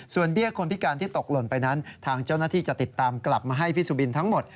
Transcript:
ส่วนเบี้ยคนพิการที่ตกหล่นไปนั้นทางเจ้าหน้าที่จะติดตามกลับมาให้พี่สุบินทั้งหมด